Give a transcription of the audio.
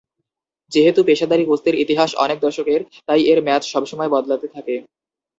যেহেতু পেশাদারি কুস্তির ইতিহাস অনেক দশকের তাই এর ম্যাচ সবসময় বদলাতে থাকে।